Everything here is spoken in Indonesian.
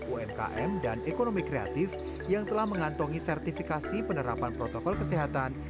umkm dan ekonomi kreatif yang telah mengantongi sertifikasi penerapan protokol kesehatan